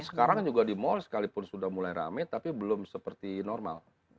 sekarang juga di mal sekalipun sudah mulai rame tapi belum seperti normal